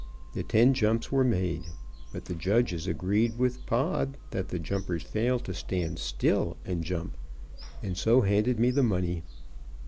The ten jumps were made. But the judges agreed with Pod that the jumpers failed to STAND STILL and jump, and so handed me the money.